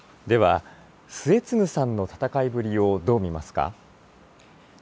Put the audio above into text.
では末次さんの戦いぶりを、どう見ますか？